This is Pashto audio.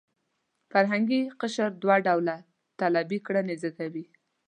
فرهنګي قشر دوه ډوله طالبي کړنې زېږولې.